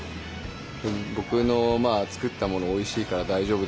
僕の作ったものおいしいから大丈夫だよって言って。